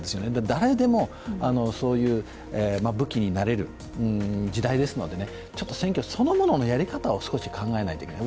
誰でもそういう武器になれる時代ですので、選挙そのもののやり方を少し考えないといけない。